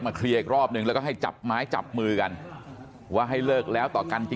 มองกันแล้ว